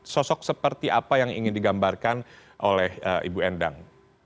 sosok seperti apa yang ingin digambarkan oleh ibu endang